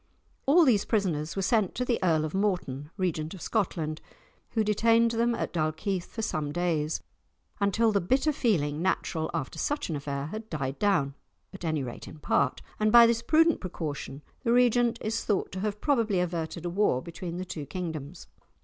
All these prisoners were sent to the Earl of Morton, Regent of Scotland, who detained them at Dalkeith for some days, until the bitter feeling natural after such an affair had died down, at any rate in part, and by this prudent precaution the Regent is thought to have probably averted a war between the two kingdoms.